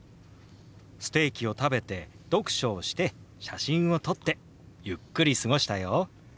ステーキを食べて読書をして写真を撮ってゆっくり過ごしたよ。